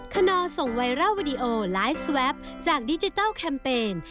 ขนอส่งไวรัลวิดีโอไลฟ์สแวปจากดิจิทัลแคมเปญ